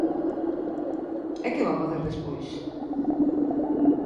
¿E que van facer despois?